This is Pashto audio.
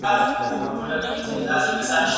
د پوسته خانې ټاپه په وړانګو سره لیدل کیږي.